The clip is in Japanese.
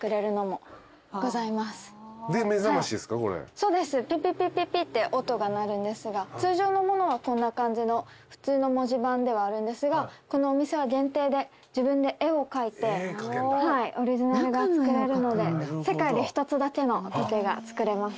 そうですピピピピピって音が鳴るんですが通常のものはこんな感じの普通の文字盤ではあるんですがこのお店は限定で自分で絵を描いてオリジナルが作れるので世界で一つだけの時計が作れます。